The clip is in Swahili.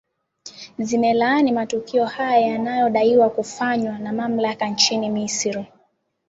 zimelaani matukio hayo yanayo daiwa kufanywa na mamlaka nchini misri